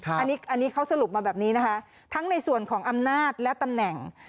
อันนี้เขาสรุปมาแบบนี้นะคะทั้งในส่วนของอำนาจและตำแหน่ง